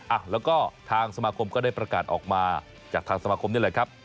อ่ะแล้วก็ทางสมาคมก็ได้ประกาศออกมาจากทางสมาคมนี่แหละครับ